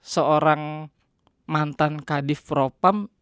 seorang mantan kadif propam